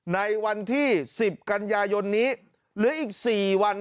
ในวันที่๑๐กัญญายนนี้หรืออีก๔วันเท่านั้นครับ